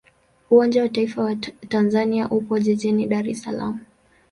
Uwanja wa taifa wa Tanzania upo jijini Dar es Salaam.